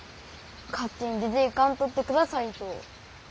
勝手に出ていかんとってくださいと。